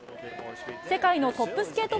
世界のトップスケート